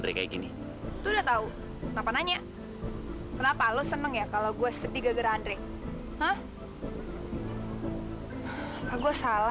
deketin banget sih jadi orang